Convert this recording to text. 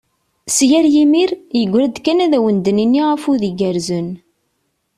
Sya ar yimir, yegra-d kan ad awen-d-nini afud igerrzen.